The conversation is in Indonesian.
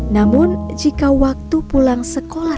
namun jika waktu pulang sekolah